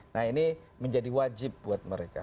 nah ini menjadi wajib buat mereka